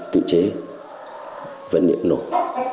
tự chế vận liệu nộp